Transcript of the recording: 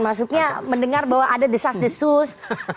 maksudnya mendengar bahwa ada desas desus